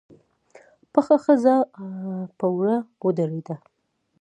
پخه ښځه په وره ودرېده.